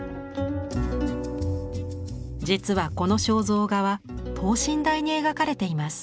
実はこの肖像画は等身大に描かれています。